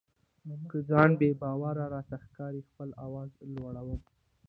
که ځان بې باوره راته ښکاري خپل آواز لوړوم.